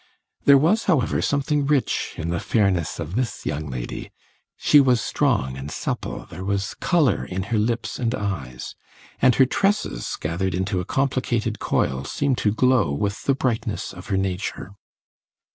There was, however, something rich in the fairness of this young lady; she was strong and supple, there was colour in her lips and eyes, and her tresses, gathered into a complicated coil, seemed to glow with the brightness of her nature.